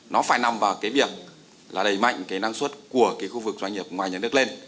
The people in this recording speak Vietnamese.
nó phải nằm vào cái việc là đẩy mạnh cái năng suất của cái khu vực doanh nghiệp ngoài nhà nước lên